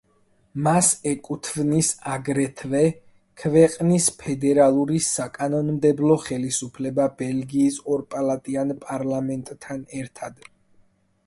მას ეკუთვნის, აგრეთვე, ქვეყნის ფედერალური საკანონმდებლო ხელისუფლება ბელგიის ორპალატიან პარლამენტთან ერთად.